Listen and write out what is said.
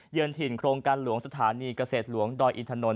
ถิ่นโครงการหลวงสถานีเกษตรหลวงดอยอินทนนท